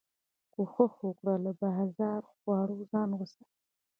کوښښ وکړه له بازاري خوړو ځان وساتي